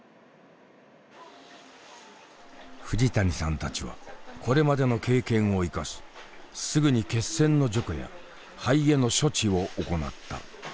藤谷さんたちはこれまでの経験を生かしすぐに血栓の除去や肺への処置を行った。